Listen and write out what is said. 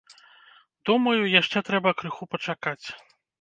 Думаю, яшчэ трэба крыху пачакаць.